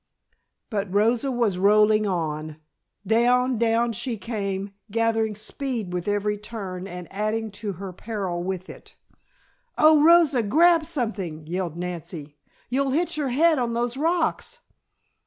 But Rosa was rolling on. Down, down she came, gathering speed with every turn and adding to her peril with it. "Oh, Rosa! Grab something!" yelled Nancy. "You'll hit your head on those rocks!"